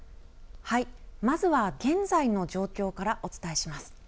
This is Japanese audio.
まずは現在の状況からお伝えします。